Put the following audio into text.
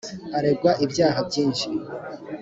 aregwa ibyaha byishi.